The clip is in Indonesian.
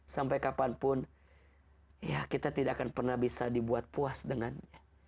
sampai kapanpun ya kita tidak akan pernah bisa dibuat puas dengannya